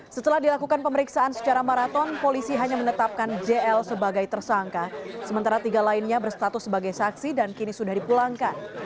setelah dilakukan pemeriksaan secara maraton polisi hanya menetapkan jl sebagai tersangka sementara tiga lainnya berstatus sebagai saksi dan kini sudah dipulangkan